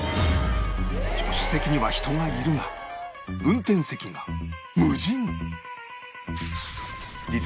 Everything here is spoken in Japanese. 助手席には人がいるが運転席が無人！